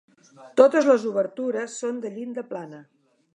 Totes les obertures són de llinda plana.